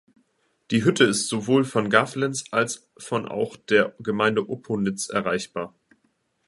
Die Hütte ist sowohl von Gaflenz als von auch der Gemeinde Opponitz erreichbar.